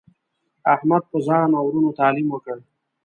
احمد په ځان او ورونو تعلیم وکړ.